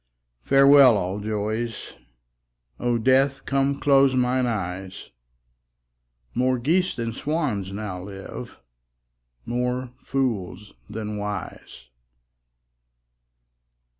Farewell, all joys; O Death, come close mine eyes; More geese than swans now live, more fools than wise.